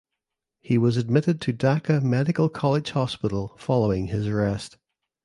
He was admitted to Dhaka Medical College Hospital following his arrest.